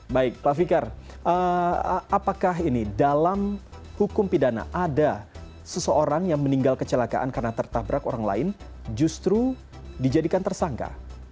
baik pak fikar apakah ini dalam hukum pidana ada seseorang yang meninggal kecelakaan karena tertabrak orang lain justru dijadikan tersangka